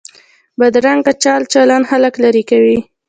بدرنګه چال چلند خلک لرې کوي